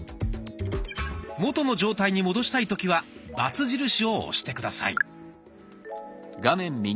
元の状態に戻したい時はバツ印を押して下さい。